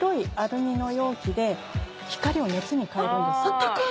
あったかい！